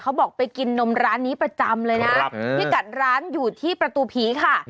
บอกไปกินนมร้านนี้ประจำเลยนะพี่กัดร้านอยู่ที่ประตูผีค่ะ